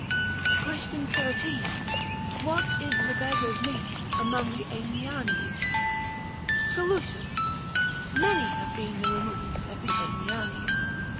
270 THE GREEK QUESTIONS. Question 13. What is the beggars' meat among the Aenianes X Solution. Many have been the removes of the Aenianes.